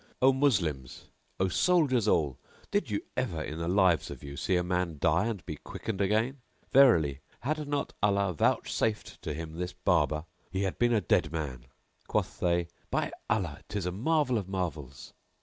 O Moslems, O soldiers all, did you ever in the lives of you see a man die and be quickened again? Verily had not Allah vouchsafed to him this Barber, he had been a dead man!" Quoth they, "By Allah, 'tis a marvel of marvels."